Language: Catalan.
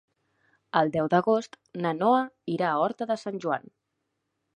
El deu d'agost na Noa irà a Horta de Sant Joan.